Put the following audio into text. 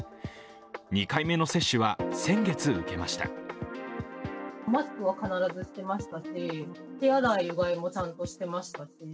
２回目の接種は先月受けました。